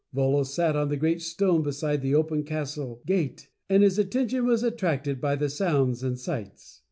Volos sat on the great stone beside the open Castle Gate, and his Attention was attracted by the sounds and sights.